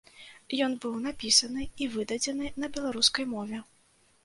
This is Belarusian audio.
Ён быў напісаны і выдадзены на беларускай мове.